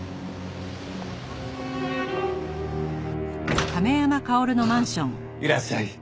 あっいらっしゃい。